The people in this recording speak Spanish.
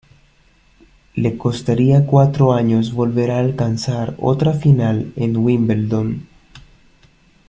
Le costaría cuatro años volver a alcanzar otra final en Wimbledon.